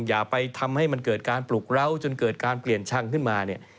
อย่าไปทำให้มันเกิดการปลุกเล้าจนเกิดการเปลี่ยนชังขึ้นมาเนี่ย